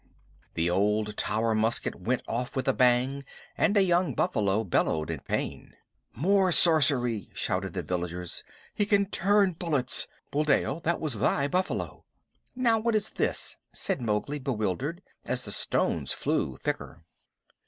The old Tower musket went off with a bang, and a young buffalo bellowed in pain. "More sorcery!" shouted the villagers. "He can turn bullets. Buldeo, that was thy buffalo." "Now what is this?" said Mowgli, bewildered, as the stones flew thicker.